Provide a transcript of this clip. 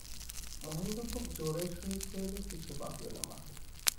মহেন্দ্র খুব জোরের সহিত কহিল, কিছু ভাবিয়ো না মা।